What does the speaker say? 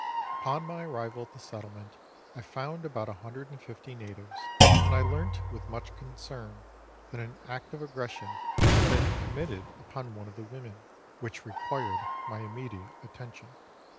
Upon my arrival at the settlement I found about 150 natives, and I learnt with much concern that an act of aggression had been committed upon one of the women, which required my immediate attention.